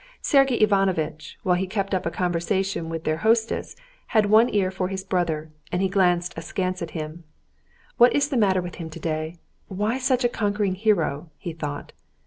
Sergey Ivanovitch, while he kept up a conversation with their hostess, had one ear for his brother, and he glanced askance at him. "What is the matter with him today? Why such a conquering hero?" he thought.